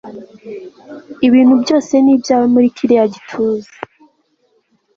Ibintu byose ni ibyawe muri kiriya gituza